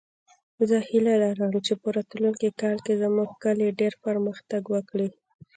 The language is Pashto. زه هیله لرم چې په راتلونکې کال کې زموږ کلی ډېر پرمختګ وکړي